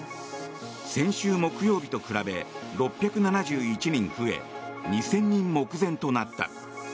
先週木曜日と比べ６７１人増え２０００人目前となった。